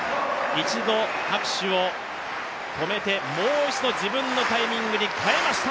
一度、拍手を止めてもう一度自分のタイミングに変えました。